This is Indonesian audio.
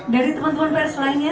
dari teman teman pers lainnya